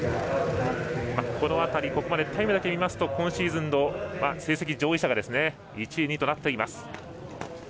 この辺り、ここまでタイムだけ見ますと今シーズンの成績上位者が１位、２位となっています。